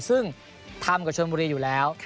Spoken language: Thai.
ซึ่งทำกับชนบุรีอยู่แล้ว